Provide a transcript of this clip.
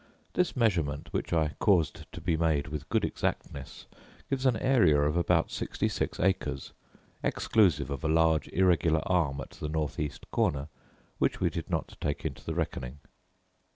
This measurement, which I caused to be made with good exactness, gives an area of about sixty six acres, exclusive of a large irregular arm at the north east corner, which we did not take into the reckoning.